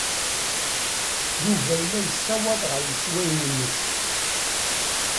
Yuba yella yessawaḍ ɣer yeswan-nnes.